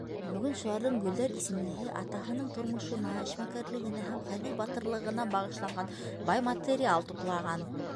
Бөгөн шуларҙың Гөлдәр исемлеһе атаһының тормошона, эшмәкәрлегенә һәм хәрби батырлығына бағышланған бай материал туплаған.